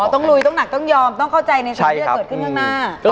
ต้องลุยต้องหนักต้องยอมต้องเข้าใจในสิ่งที่จะเกิดขึ้นข้างหน้า